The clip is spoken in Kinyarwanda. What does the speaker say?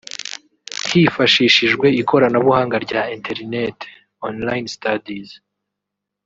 hifashishijwe ikoranabuhanga rya internet (Online Studies)